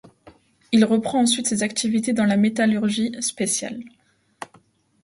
Il reprend ensuite ses activités dans la métallurgie spéciale.